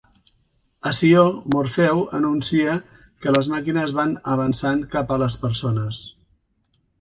A Sió, Morfeu anuncia que les màquines van avançant cap a les persones.